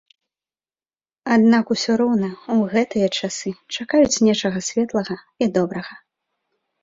Аднак усё роўна ў гэтыя часы чакаюць нечага светлага і добрага.